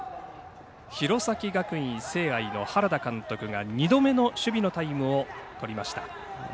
弘前学院聖愛の原田監督が２度目の守備のタイムをとりました。